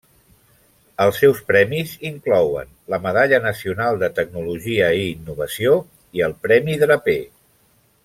Els seus premis inclouen la Medalla Nacional de Tecnologia i Innovació i el Premi Draper.